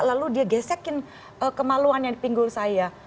lalu dia gesekin kemaluan yang di pinggul saya